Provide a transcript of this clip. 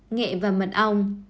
nghệ và mật ong